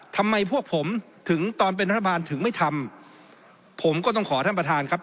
ทำไมพวกผมถึงตอนเป็นรัฐบาลถึงไม่ทำผมก็ต้องขอท่านประธานครับ